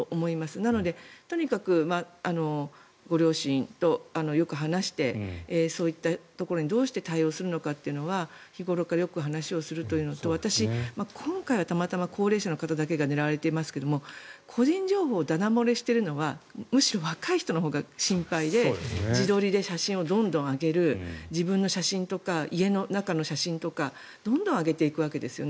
なので、とにかくご両親とよく話してそういったところにどう対応するかというのは日頃からよく話をするというのと今回はたまたま高齢者の方だけが狙われていますが個人情報がだだ漏れしているのはむしろ若い人のほうが心配で自撮りで写真をどんどん上げる自分の写真とか家の中の写真とかどんどん上げていくわけですね。